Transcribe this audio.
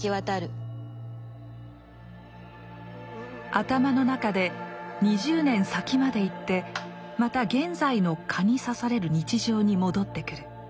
頭の中で２０年先まで行ってまた現在の蚊に刺される日常に戻ってくる。